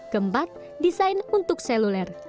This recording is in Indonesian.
keempat desain untuk seluler